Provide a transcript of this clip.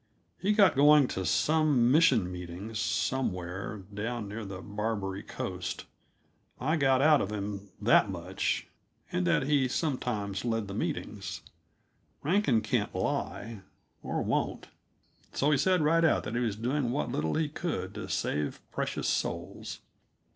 He got to going to some mission meetings, somewhere down near the Barbary Coast; I got out of him that much, and that he sometimes led the meetings. Rankin can't lie or won't so he said right out that he was doing what little he could to save precious souls.